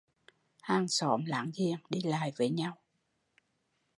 Hàng xóm láng giềng đi lại với nhau